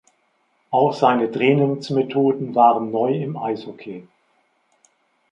Auch seine Trainingsmethoden waren neu im Eishockey.